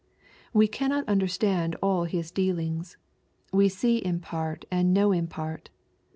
We cannot understand all His dealings. We see in part and know in part.